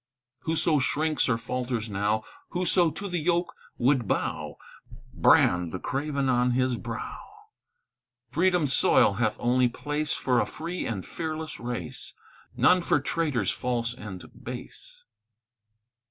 Whoso shrinks or falters now, Whoso to the yoke would bow, Brand the craven on his brow! Freedom's soil hath only place For a free and fearless race, None for traitors false and base.